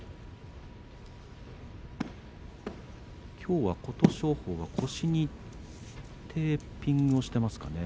きょうは琴勝峰は腰にテーピングをしていますかね。